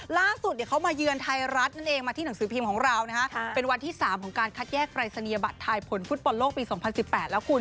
ล่าสุดเขามาเยือนไทยรัฐนั่นเองมาที่หนังสือพิมพ์ของเราเป็นวันที่๓ของการคัดแยกปรายศนียบัตรทายผลฟุตบอลโลกปี๒๐๑๘แล้วคุณ